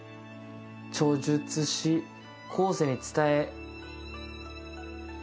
著述し後世に伝え。